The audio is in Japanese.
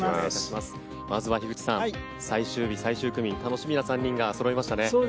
まずは樋口さん最終日、最終組楽しみな３人がそろいましたね。